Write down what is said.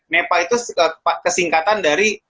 nepa itu kesingkatan dari